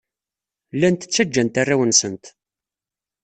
Llant ttajjant arraw-nsent.